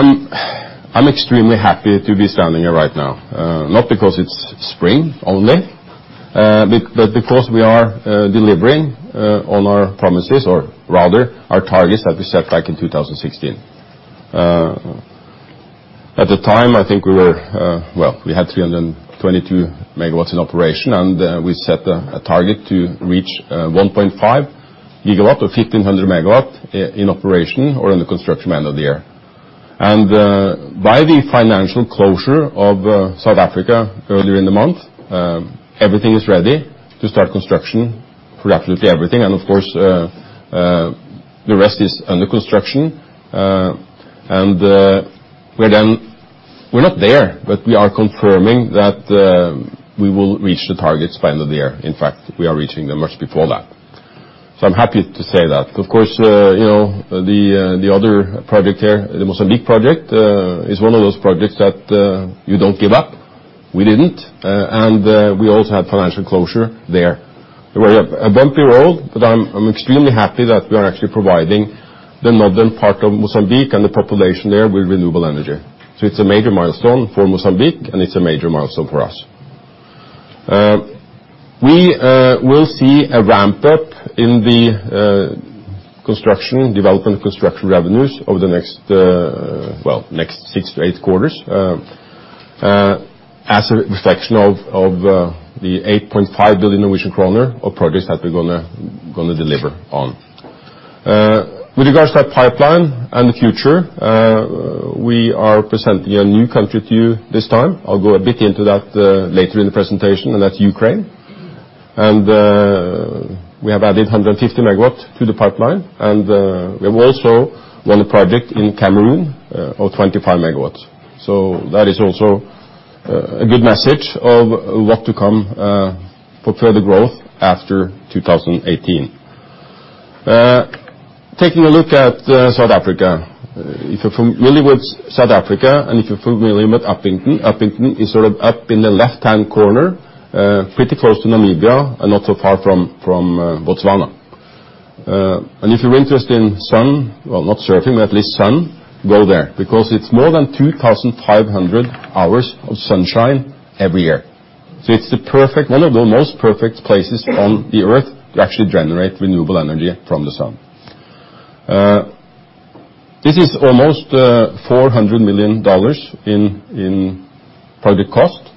I'm extremely happy to be standing here right now. Not because it's spring only, but because we are delivering on our promises, or rather, our targets that we set back in 2016. At the time, I think we were we had 322 MW in operation, and we set a target to reach 1.5 GW, or 1,500 MW in operation or in the construction end of the year. By the financial closure of South Africa earlier in the month, everything is ready to start construction for absolutely everything. Of course, the rest is under construction. We're not there, but we are confirming that we will reach the targets by end of the year. In fact, we are reaching them much before that. I'm happy to say that. The other project there, the Mozambique project, is one of those projects that you don't give up. We didn't, and we also had financial closure there. A bumpy road, but I'm extremely happy that we are actually providing the northern part of Mozambique and the population there with renewable energy. It's a major milestone for Mozambique, and it's a major milestone for us. We will see a ramp-up in the development construction revenues over the next 6 to 8 quarters as a reflection of the 8.5 billion Norwegian kroner of projects that we're going to deliver on. With regards to our pipeline and the future, we are presenting a new country to you this time. I'll go a bit into that later in the presentation, and that's Ukraine. We have added 150 MW to the pipeline, and we have also won a project in Cameroon of 25 MW. That is also a good message of what to come for further growth after 2018. Taking a look at South Africa. If you're familiar with South Africa and if you're familiar with Upington is sort of up in the left-hand corner, pretty close to Namibia and not so far from Botswana. If you're interested in sun, not surfing, but at least sun, go there, because it's more than 2,500 hours of sunshine every year. It's one of the most perfect places on the Earth to actually generate renewable energy from the sun. This is almost $400 million in project cost.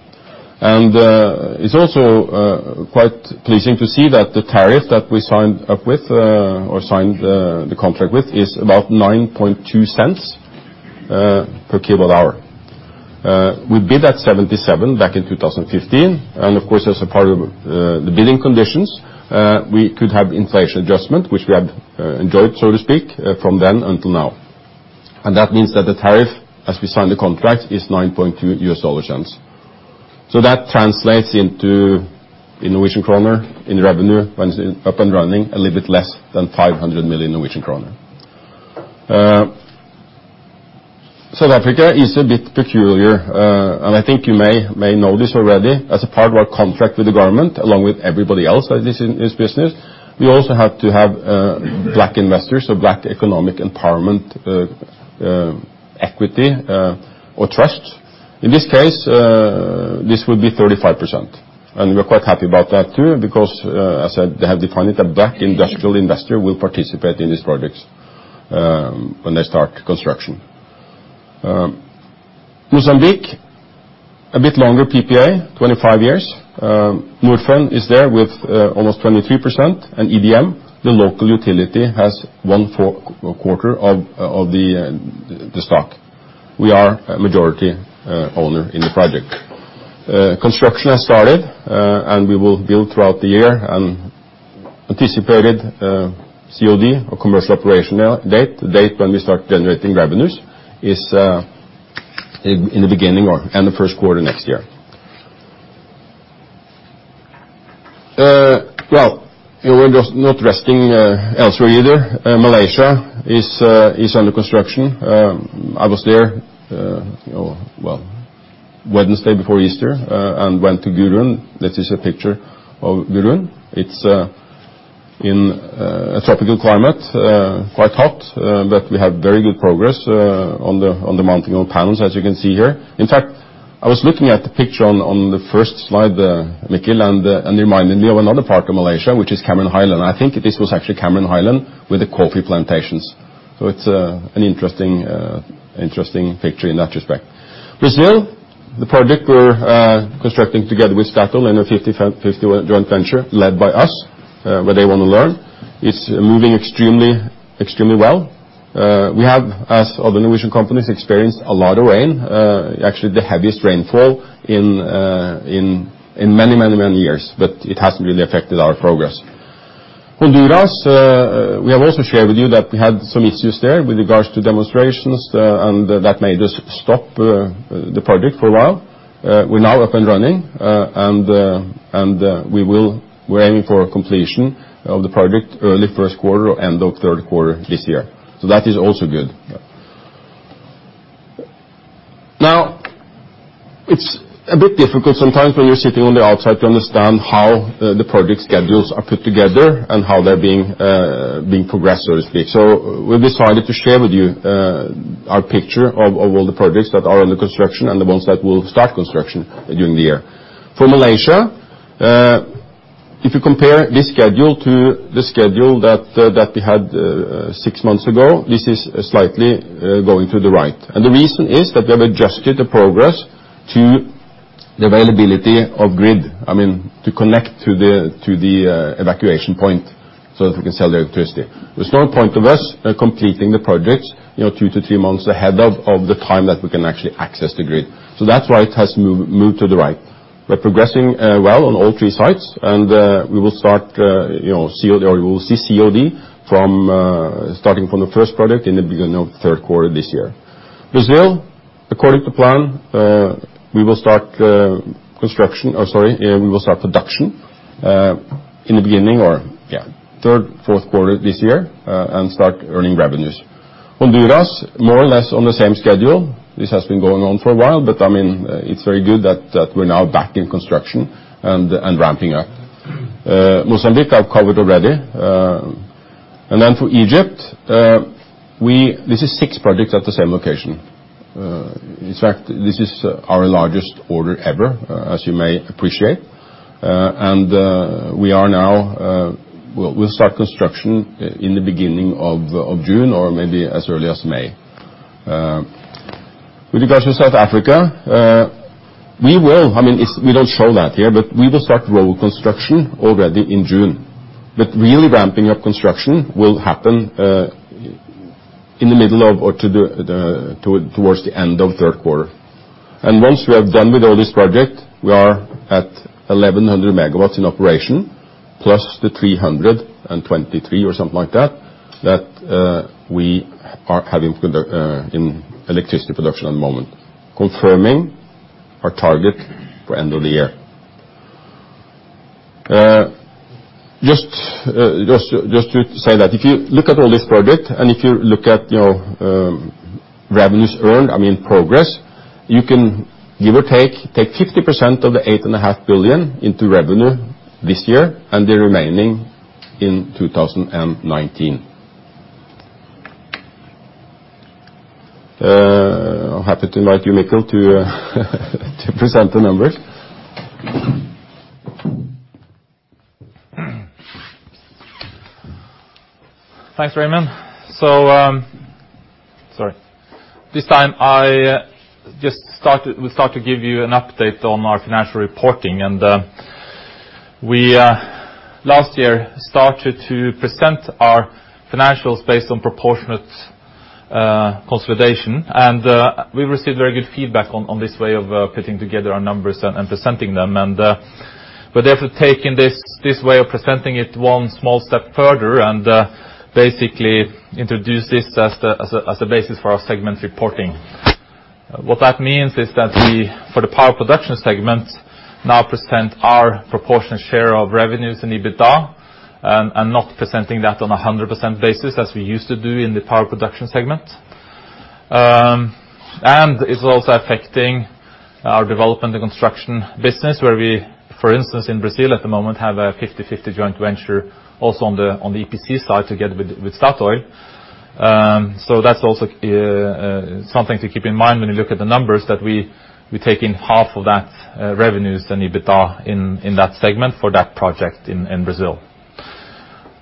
It's also quite pleasing to see that the tariff that we signed up with, or signed the contract with, is about $0.092 per kilowatt-hour. We bid at $0.77 back in 2015. Of course, as a part of the bidding conditions, we could have inflation adjustment, which we have enjoyed, so to speak, from then until now. That means that the tariff, as we signed the contract, is $0.092. That translates into NOK in revenue, when it's up and running, a little bit less than 500 million Norwegian kroner. South Africa is a bit peculiar, and I think you may know this already. As a part of our contract with the government, along with everybody else that is in this business, we also have to have Black investors, so Black economic empowerment, equity, or trust. In this case, this will be 35%. We're quite happy about that too, because as I have defined it, a Black Industrialist investor will participate in these projects when they start construction. Mozambique, a bit longer PPA, 25 years. Norfund is there with almost 23%, and EDM, the local utility, has one quarter of the stock. We are a majority owner in the project. Construction has started, and we will build throughout the year. Anticipated COD, or commercial operational date, the date when we start generating revenues, is in the beginning or end of first quarter next year. Well, we're not resting elsewhere either. Malaysia is under construction. I was there Wednesday before Easter and went to Gurun. This is a picture of Gurun. It's in a tropical climate, quite hot, but we have very good progress on the mounting of panels, as you can see here. In fact, I was looking at the picture on the first slide, Mikkel, it reminded me of another part of Malaysia, which is Cameron Highlands. I think this was actually Cameron Highlands with the coffee plantations. It's an interesting picture in that respect. Brazil, the project we're constructing together with Statoil in a 50/50 joint venture led by us, where they want to learn. It's moving extremely well. We have, as other Norwegian companies, experienced a lot of rain. Actually, the heaviest rainfall in many years. It hasn't really affected our progress. Honduras, we have also shared with you that we had some issues there with regards to demonstrations, and that made us stop the project for a while. We're now up and running, and we're aiming for completion of the project early first quarter or end of third quarter this year. That is also good. Now It's a bit difficult sometimes when you're sitting on the outside to understand how the project schedules are put together and how they're being progressed, so to speak. We decided to share with you our picture of all the projects that are under construction and the ones that will start construction during the year. For Malaysia, if you compare this schedule to the schedule that we had 6 months ago, this is slightly going to the right. The reason is that we have adjusted the progress to the availability of grid, to connect to the evacuation point, so that we can sell the electricity. There's no point of us completing the projects two to three months ahead of the time that we can actually access the grid. That's why it has moved to the right. We're progressing well on all three sites, we will see COD starting from the first project in the beginning of the third quarter this year. Brazil, according to plan, we will start production in the beginning or third, fourth quarter this year and start earning revenues. Honduras, more or less on the same schedule. This has been going on for a while, but it's very good that we're now back in construction and ramping up. Mozambique, I've covered already. For Egypt, this is six projects at the same location. In fact, this is our largest order ever, as you may appreciate. We'll start construction in the beginning of June, or maybe as early as May. With regards to South Africa, we don't show that here, but we will start road construction already in June. Really ramping up construction will happen in the middle of or towards the end of the third quarter. Once we are done with all these project, we are at 1,100 megawatts in operation, plus the 323 or something like that we are having in electricity production at the moment, confirming our target for end of the year. Just to say that if you look at all these project and if you look at revenues earned, progress, you can give or take 50% of the 8.5 billion into revenue this year and the remaining in 2019. I'll have to invite you, Mikkel, to present the numbers. Thanks, Raymond. This time, we'll start to give you an update on our financial reporting. We last year started to present our financials based on proportionate consolidation, and we received very good feedback on this way of putting together our numbers and presenting them. Therefore taking this way of presenting it one small step further and basically introduce this as a basis for our segment reporting. What that means is that we, for the power production segment, now present our proportionate share of revenues in EBITDA and not presenting that on 100% basis as we used to do in the power production segment. It's also affecting our development and construction business where we, for instance, in Brazil at the moment, have a 50/50 joint venture also on the EPC side together with Statoil. That's also something to keep in mind when you look at the numbers that we take in half of that revenues and EBITDA in that segment for that project in Brazil.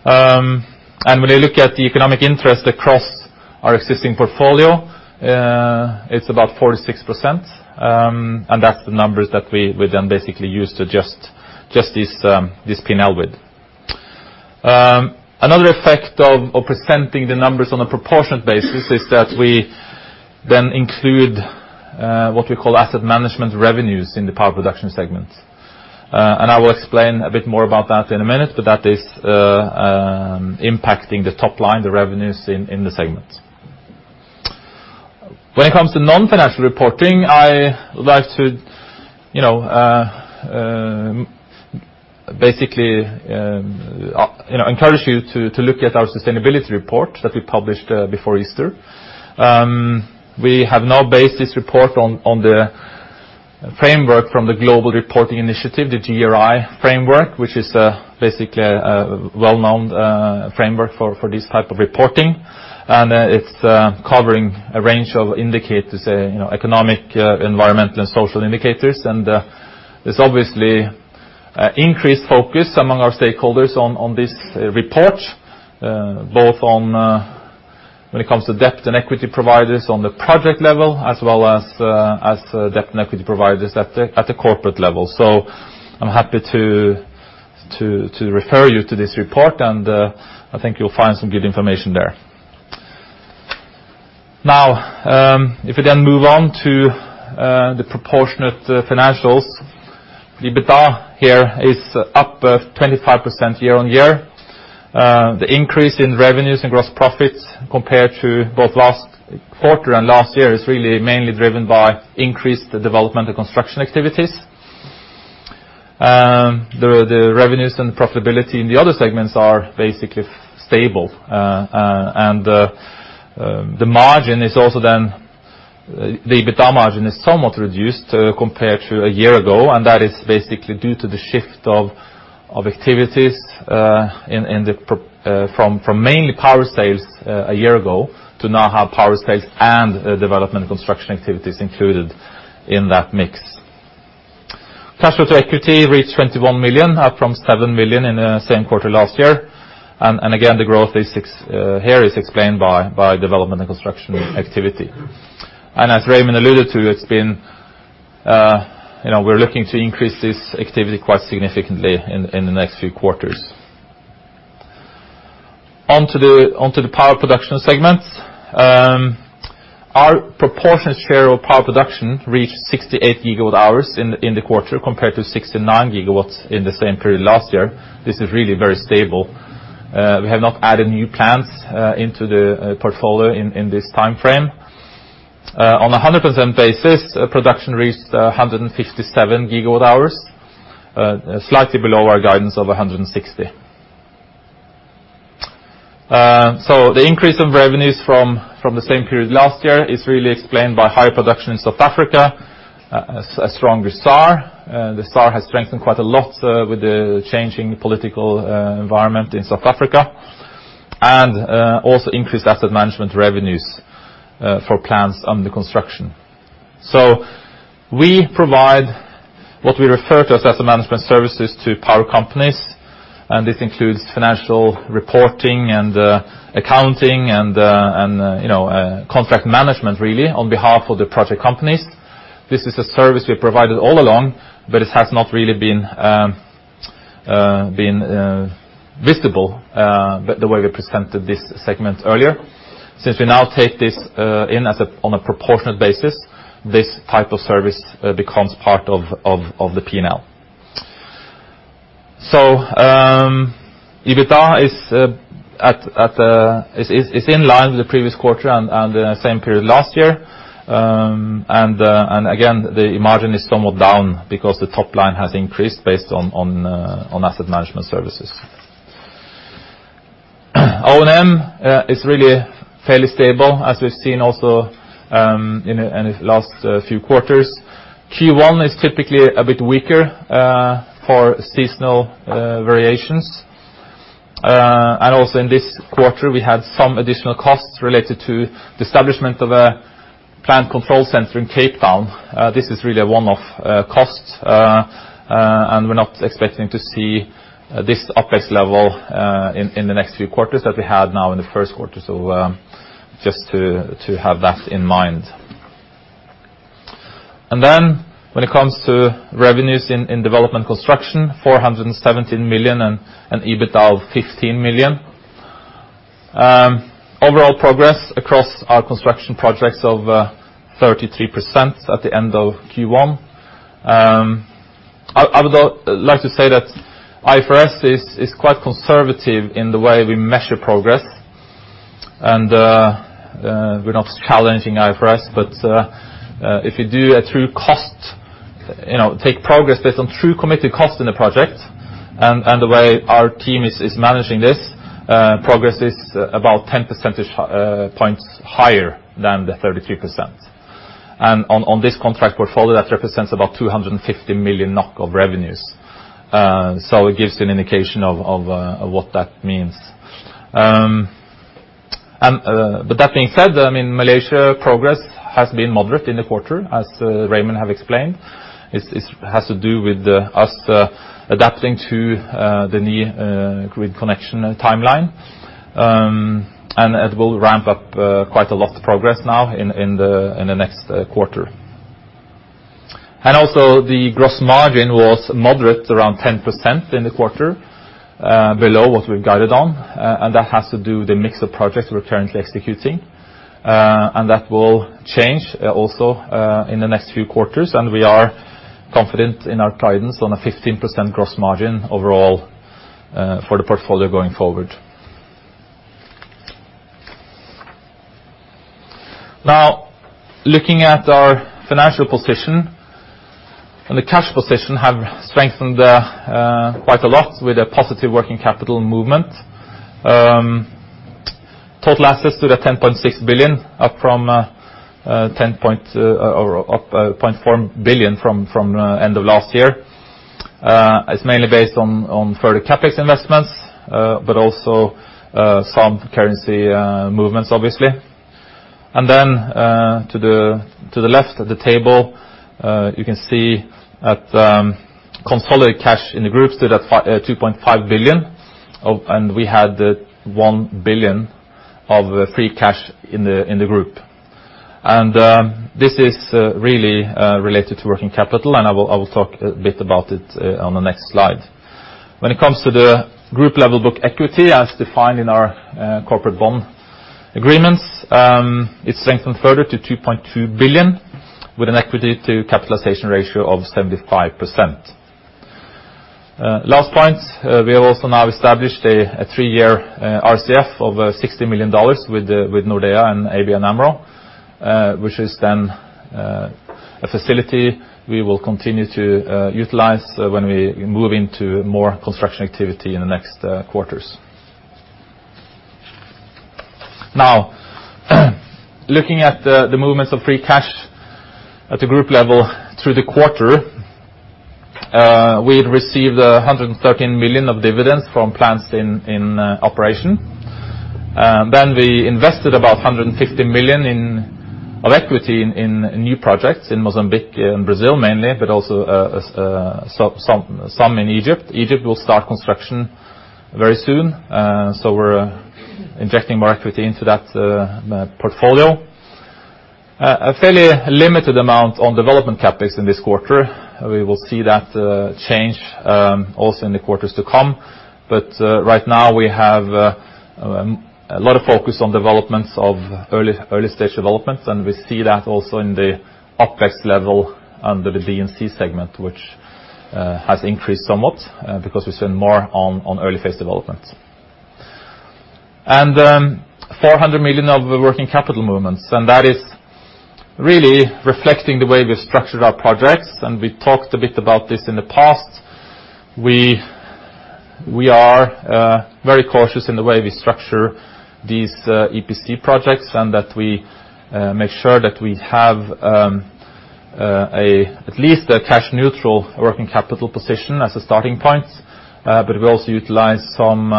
When I look at the economic interest across our existing portfolio, it's about 46%, and that's the numbers that we then basically use to adjust this P&L with. Another effect of presenting the numbers on a proportionate basis is that we then include what we call asset management revenues in the power production segment. I will explain a bit more about that in a minute, but that is impacting the top line, the revenues in the segment. When it comes to non-financial reporting, I would like to basically encourage you to look at our sustainability report that we published before Easter. We have now based this report on the framework from the Global Reporting Initiative, the GRI framework, which is basically a well-known framework for this type of reporting, and it's covering a range of indicators, economic, environmental, and social indicators. There's obviously increased focus among our stakeholders on this report, both on when it comes to debt and equity providers on the project level, as well as debt and equity providers at the corporate level. I'm happy to refer you to this report, and I think you'll find some good information there. If we then move on to the proportionate financials. EBITDA here is up 25% year-on-year. The increase in revenues and gross profits compared to both last quarter and last year is really mainly driven by increased development and construction activities. The revenues and profitability in the other segments are basically stable. The EBITDA margin is somewhat reduced compared to a year ago, and that is basically due to the shift of activities from mainly power sales a year ago, to now have power sales and development construction activities included in that mix. Cash flow to equity reached 21 million, up from 7 million in the same quarter last year. Again, the growth here is explained by development and construction activity. As Raymond alluded to, we're looking to increase this activity quite significantly in the next few quarters. Onto the power production segment. Our proportionate share of power production reached 68 GWh in the quarter, compared to 69 GWh in the same period last year. This is really very stable. We have not added new plants into the portfolio in this time frame. On 100% basis, production reached 157 GWh, slightly below our guidance of 160 GWh. The increase in revenues from the same period last year is really explained by higher production in South Africa, a stronger ZAR. The ZAR has strengthened quite a lot with the changing political environment in South Africa. Also increased asset management revenues for plants under construction. We provide what we refer to as asset management services to power companies, and this includes financial reporting and accounting and contract management, really, on behalf of the project companies. This is a service we have provided all along, but it has not really been visible the way we presented this segment earlier. Since we now take this in on a proportionate basis, this type of service becomes part of the P&L. EBITDA is in line with the previous quarter and the same period last year. Again, the margin is somewhat down because the top line has increased based on asset management services. O&M is really fairly stable, as we've seen also in the last few quarters. Q1 is typically a bit weaker for seasonal variations. Also in this quarter, we had some additional costs related to the establishment of a plant control center in Cape Town. This is really a one-off cost, and we're not expecting to see this OpEx level in the next few quarters that we have now in the first quarter. Just to have that in mind. Then when it comes to revenues in development construction, 417 million and an EBITDA of 15 million. Overall progress across our construction projects of 33% at the end of Q1. I would like to say that IFRS is quite conservative in the way we measure progress, and we're not challenging IFRS. If you do a true cost, take progress based on true committed cost in a project, and the way our team is managing this, progress is about 10 percentage points higher than the 33%. On this contract portfolio, that represents about 250 million NOK of revenues. It gives you an indication of what that means. That being said, Malaysia progress has been moderate in the quarter, as Raymond have explained. It has to do with us adapting to the new grid connection timeline. It will ramp up quite a lot progress now in the next quarter. Also, the gross margin was moderate, around 10% in the quarter, below what we've guided on. That has to do with the mix of projects we're currently executing. That will change also in the next few quarters, we are confident in our guidance on a 15% gross margin overall for the portfolio going forward. Looking at our financial position, the cash position have strengthened quite a lot with a positive working capital movement. Total assets stood at 10.6 billion, up 0.4 billion from end of last year. It's mainly based on further CapEx investments, but also some currency movements, obviously. To the left of the table, you can see that the consolidated cash in the group stood at 2.5 billion, we had 1 billion of free cash in the group. This is really related to working capital, I will talk a bit about it on the next slide. When it comes to the group-level book equity, as defined in our corporate bond agreements, it strengthened further to 2.2 billion, with an equity to capitalization ratio of 75%. We have also now established a three-year RCF of NOK 60 million with Nordea and ABN AMRO, which is a facility we will continue to utilize when we move into more construction activity in the next quarters. Looking at the movements of free cash at the group level through the quarter. We had received 113 million of dividends from plants in operation. We invested about 150 million in equity in new projects in Mozambique and Brazil mainly, but also some in Egypt. Egypt will start construction very soon, so we're injecting more equity into that portfolio. A fairly limited amount on development CapEx in this quarter. We will see that change also in the quarters to come. Right now we have a lot of focus on developments of early-stage developments, we see that also in the OpEx level under the D&C segment, which has increased somewhat because we spend more on early-phase development. 400 million of working capital movements, that is really reflecting the way we've structured our projects, we talked a bit about this in the past. We are very cautious in the way we structure these EPC projects and that we make sure that we have at least a cash-neutral working capital position as a starting point. We also utilize some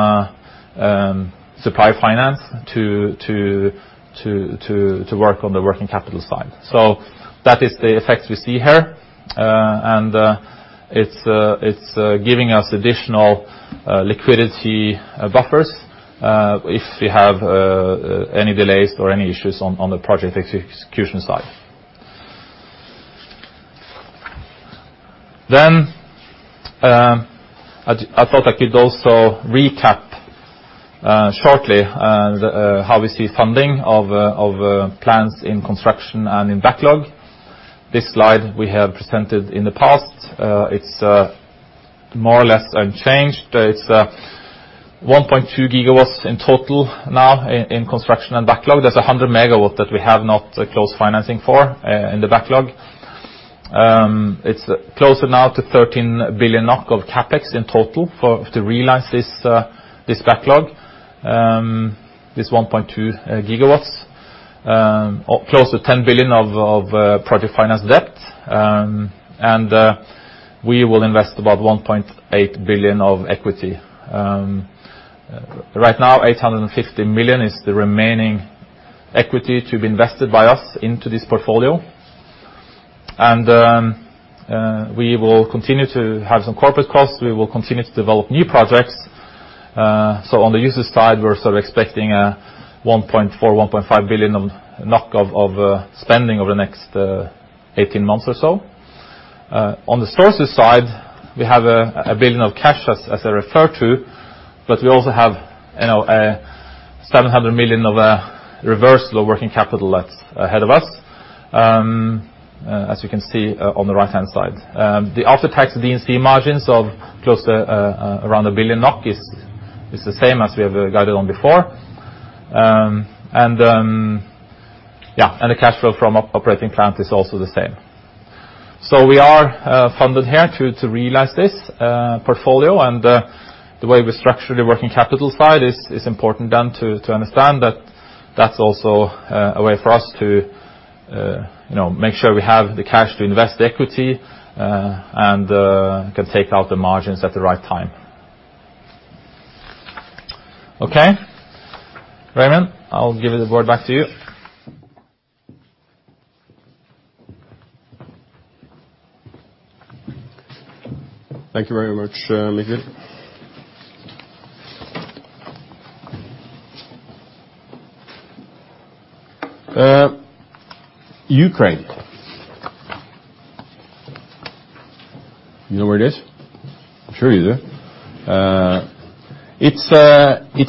supply finance to work on the working capital side. That is the effect we see here. It's giving us additional liquidity buffers if we have any delays or any issues on the project execution side. I thought I could also recap shortly on how we see funding of plans in construction and in backlog. This slide we have presented in the past. It's more or less unchanged. It's 1.2 gigawatts in total now in construction and backlog. There's 100 megawatts that we have not closed financing for in the backlog. It's closer now to 13 billion NOK of CapEx in total to realize this backlog. This 1.2 gigawatts. Close to 10 billion of project finance debt. We will invest about 1.8 billion of equity. Right now, 850 million is the remaining equity to be invested by us into this portfolio. We will continue to have some corporate costs. We will continue to develop new projects. On the user side, we're sort of expecting 1.4 billion-1.5 billion of spending over the next 18 months or so. On the sources side, we have 1 billion of cash as I referred to, but we also have 700 million of reverse working capital that's ahead of us. As you can see on the right-hand side. The after-tax D&C margins of close to around 1 billion NOK is the same as we have guided on before. The cash flow from operating plant is also the same. We are funded here to realize this portfolio, and the way we structure the working capital side is important then to understand that that's also a way for us to make sure we have the cash to invest equity and can take out the margins at the right time. Raymond, I'll give the board back to you. Thank you very much, Mikkel. Ukraine. You know where it is? I'm sure you do. It's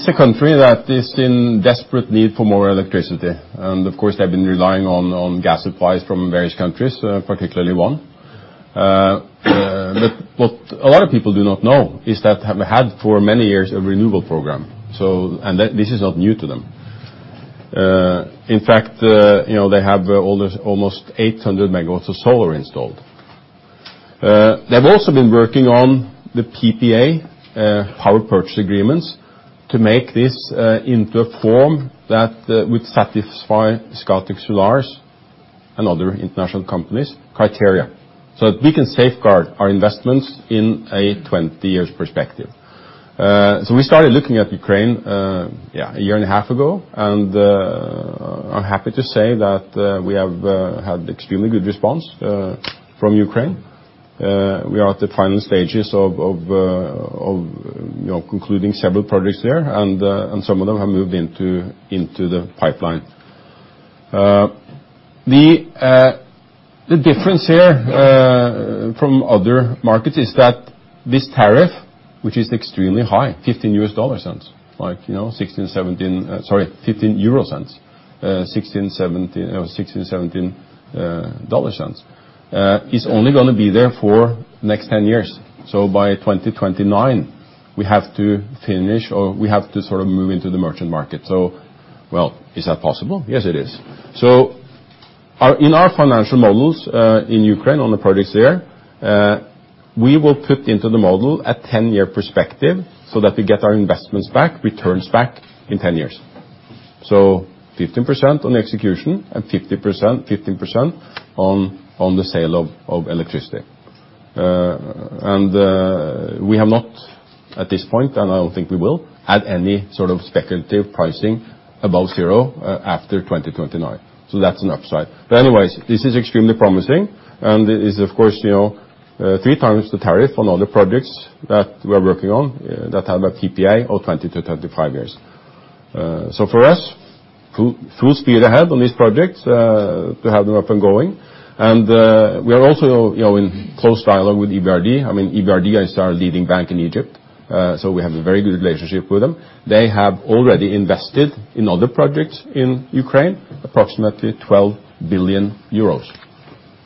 a country that is in desperate need for more electricity, and of course, they've been relying on gas supplies from various countries, particularly one. What a lot of people do not know is that they have had for many years a renewable program, and that this is not new to them. In fact they have almost 800 MW of solar installed. They've also been working on the PPA, power purchase agreements, to make this into a form that would satisfy Scatec Solar's and other international companies' criteria, so that we can safeguard our investments in a 20-year perspective. We started looking at Ukraine a year and a half ago, and I'm happy to say that we have had extremely good response from Ukraine. We are at the final stages of concluding several projects there, and some of them have moved into the pipeline. The difference here from other markets is that this tariff, which is extremely high, $0.15. Like 16, 17. Sorry, EUR 0.15. $0.16, $0.17, is only going to be there for next 10 years. By 2029, we have to finish, or we have to move into the merchant market. Well, is that possible? Yes, it is. In our financial models, in Ukraine, on the projects there, we will put into the model a 10-year perspective so that we get our investments back, returns back in 10 years. 15% on execution, and 50%, 15% on the sale of electricity. We have not at this point, and I don't think we will, add any sort of speculative pricing above zero after 2029. That's an upside. Anyways, this is extremely promising and is of course, 3 times the tariff on other projects that we are working on that have a PPA of 20-25 years. For us, full speed ahead on these projects, to have them up and going, and we are also in close dialogue with EBRD. I mean, EBRD, I understand, are a leading bank in Egypt, so we have a very good relationship with them. They have already invested in other projects in Ukraine, approximately 12 billion euros.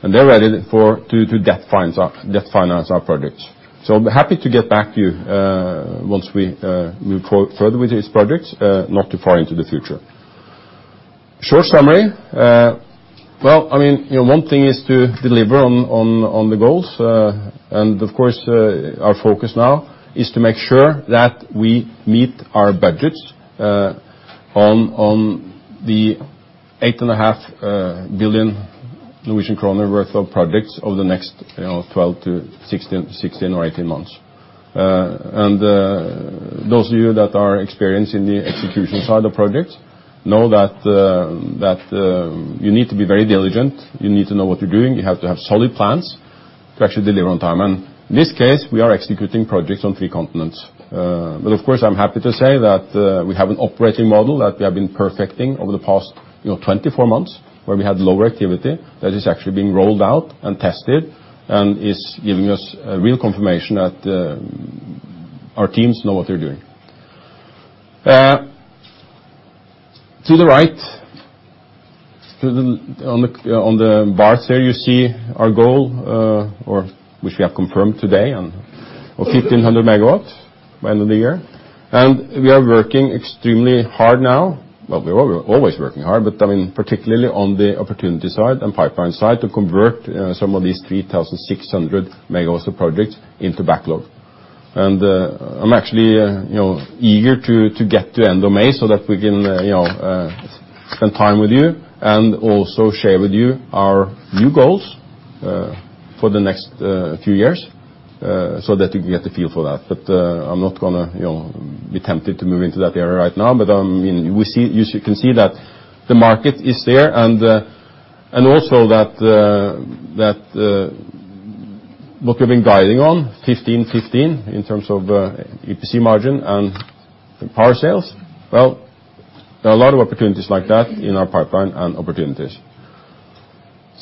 They're ready to debt finance our projects. I'll be happy to get back to you, once we move further with these projects, not too far into the future. Short summary, well, one thing is to deliver on the goals. Of course, our focus now is to make sure that we meet our budgets on the 8.5 billion Norwegian kroner worth of projects over the next 12 to 16 or 18 months. Those of you that are experienced in the execution side of projects know that you need to be very diligent. You need to know what you're doing. You have to have solid plans to actually deliver on time. In this case, we are executing projects on three continents. Of course, I'm happy to say that we have an operating model that we have been perfecting over the past 24 months, where we had lower activity that is actually being rolled out and tested, and is giving us a real confirmation that our teams know what they're doing. To the right, on the bars there you see our goal, which we have confirmed today on 1,500 megawatts by end of the year. We are working extremely hard now. Well, we're always working hard, but I mean particularly on the opportunity side and pipeline side to convert some of these 3,600 megawatts of projects into backlog. I'm actually eager to get to end of May so that we can spend time with you and also share with you our new goals for the next few years, so that you can get a feel for that. I'm not going to be tempted to move into that area right now. You can see that the market is there, and also that what we've been guiding on, 15% in terms of EPC margin and power sales. Well, there are a lot of opportunities like that in our pipeline and opportunities.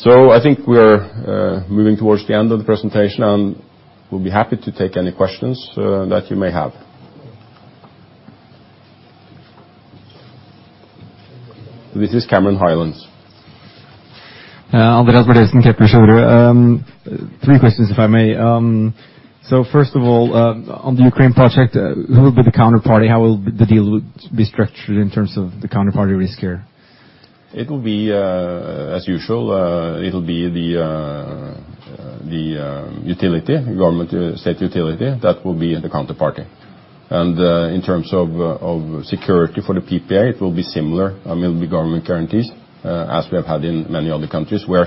I think we're moving towards the end of the presentation, and we'll be happy to take any questions that you may have. This is Cameron Highlands. Andreas Keplinger. Three questions, if I may. First of all, on the Ukraine project, who will be the counterparty? How will the deal be structured in terms of the counterparty risk here? It will be as usual. It'll be the utility, government state utility, that will be the counterparty. In terms of security for the PPA, it will be similar. I mean, it will be government guarantees, as we have had in many other countries where,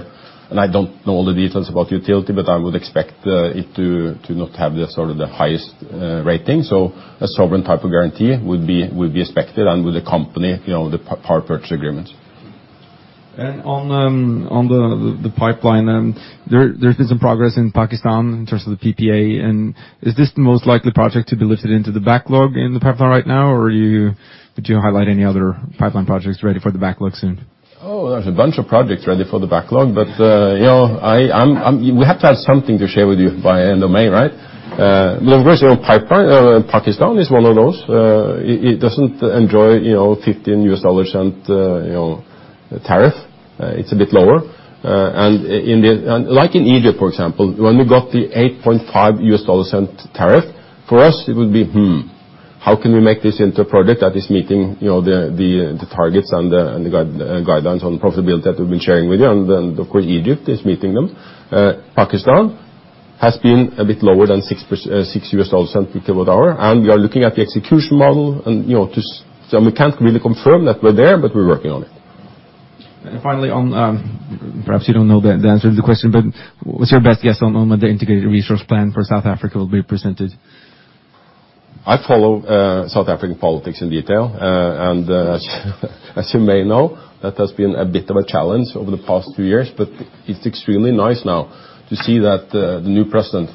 I don't know all the details about utility, but I would expect it to not have the sort of the highest rating. A sovereign type of guarantee would be expected and would accompany the power purchase agreement. On the pipeline then, there's been some progress in Pakistan in terms of the PPA. Is this the most likely project to be listed into the backlog in the pipeline right now? Would you highlight any other pipeline projects ready for the backlog soon? There's a bunch of projects ready for the backlog, but we have to have something to share with you by end of May, right? Of course, pipeline, Pakistan is one of those. It doesn't enjoy $0.15 tariff. It's a bit lower. Like in Egypt, for example, when we got the $0.085 tariff, for us it would be, "Hmm, how can we make this into a project that is meeting the targets and the guidelines on profitability that we've been sharing with you?" Of course, Egypt is meeting them. Pakistan has been a bit lower than $0.06 per kilowatt-hour, we are looking at the execution model. We can't really confirm that we're there, but we're working on it. Finally, perhaps you don't know the answer to the question, what's your best guess on when the Integrated Resource Plan for South Africa will be presented? I follow South African politics in detail. As you may know, that has been a bit of a challenge over the past few years, but it's extremely nice now to see that the new president,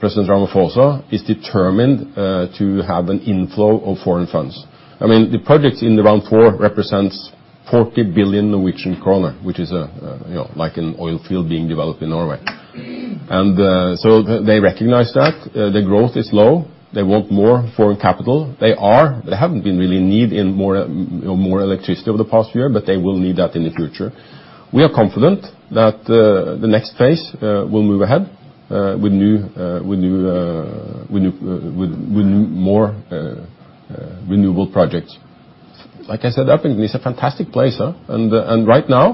President Ramaphosa, is determined to have an inflow of foreign funds. I mean, the project in Round Four represents 40 billion Norwegian kroner, which is like an oil field being developed in Norway. They recognize that. The growth is low. They want more foreign capital. They haven't been really in need in more electricity over the past year, but they will need that in the future. We are confident that the next phase will move ahead with more renewable projects. Like I said, I think it's a fantastic place. Right now,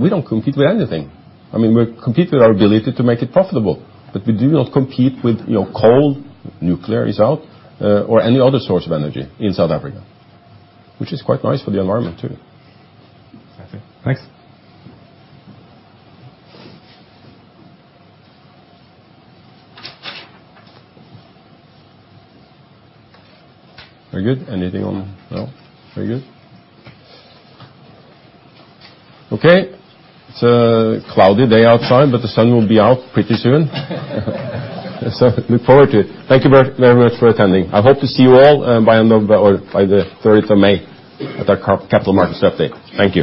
we don't compete with anything. We compete with our ability to make it profitable, we do not compete with coal, nuclear is out, or any other source of energy in South Africa, which is quite nice for the environment too. Okay, thanks. Very good. Anything on No. Very good. Okay. The sun will be out pretty soon. Look forward to it. Thank you very much for attending. I hope to see you all by the 30th of May at our capital markets update. Thank you.